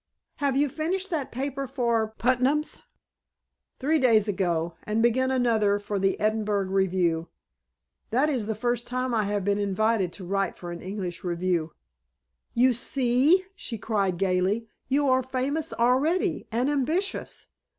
"Have you finished that paper for Putnam's?" "Three days ago, and begun another for the Edinburgh Review. That is the first time I have been invited to write for an English review." "You see!" she cried gaily. "You are famous already. And ambitious!